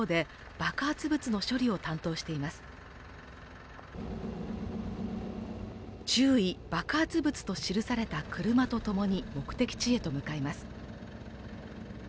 爆発物」と記された車とともに目的地へと向かいます。